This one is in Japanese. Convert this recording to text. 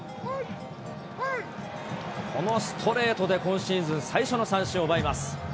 このストレートで今シーズン最初の三振を奪います。